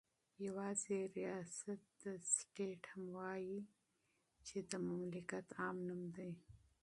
يوازي رياست ته سټيټ هم وايي چې دا دمملكت عام نوم دى